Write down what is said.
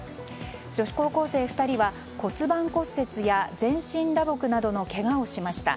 女子高校生２人は骨盤骨折や全身打撲などのけがをしました。